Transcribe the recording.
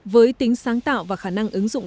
với tính sáng tạo và khả năng ứng dụng